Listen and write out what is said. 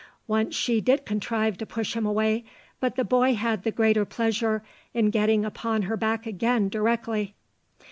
Once she did contrive to push him away, but the boy had the greater pleasure in getting upon her back again directly."